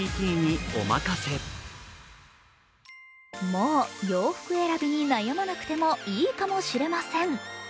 もう洋服選びに悩まなくてもいいかもしれません。